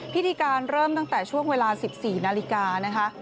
พิธีการเริ่มตั้งแต่ช่วงเวลา๑๔นาฬิกานะคะ